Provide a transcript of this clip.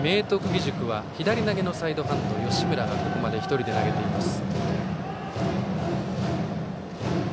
義塾は左投げのサイドハンド、吉村がここまで１人で投げています。